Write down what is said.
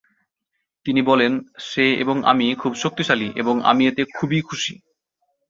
তিনি বলেন, "সে এবং আমি খুব শক্তিশালী এবং আমি এতে খুবই খুশি"।